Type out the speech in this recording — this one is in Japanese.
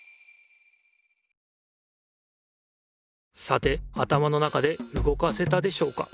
さて頭の中でうごかせたでしょうか？